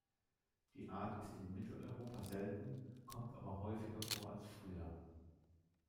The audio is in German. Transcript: Die Art ist in Mitteleuropa selten, kommt aber häufiger vor als früher.